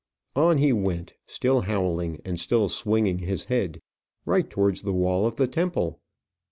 On he went, still howling and still swinging his head, right towards the wall of the temple.